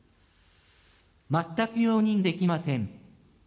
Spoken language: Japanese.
全く容認できません。